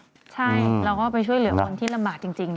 ใช่เราก็ไปช่วยเหลืองบทที่ระบาดจริง